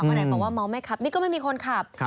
ว่าไหนมองไม่ขับนี่ก็ไม่มีคนขับ